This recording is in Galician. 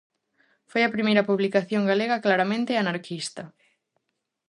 Foi a primeira publicación galega claramente anarquista.